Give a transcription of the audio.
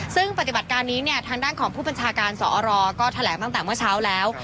ซึ่งปฏิบัติการนี้เนี่ยทางด้านของผู้บัญชาการสอรก็แถลงตั้งแต่เมื่อเช้าแล้ว